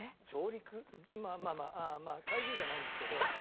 まあまあ怪獣じゃないんですけど。